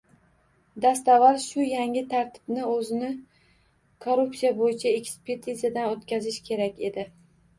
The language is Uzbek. Dastavval shu yangi tartibni o‘zini korrupsiya bo‘yicha ekspertizadan o‘tkazish kerak edi.